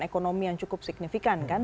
ekonomi yang cukup signifikan kan